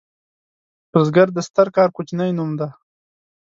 بزګر د ستر کار کوچنی نوم دی